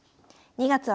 ２月は